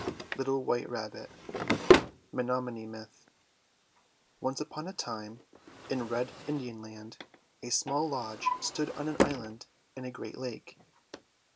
LITTLE WHITE RABBIT Menomini Myth ONCE upon a time, in Red Indian Land, a small lodge stood on an island in a great lake.